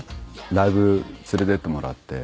ライブ連れていってもらって。